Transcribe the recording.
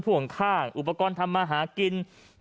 พ่วงข้างอุปกรณ์ทำมาหากิน